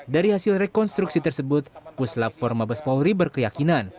dari hasil rekonstruksi tersebut puslab forma bespohri berkeyakinan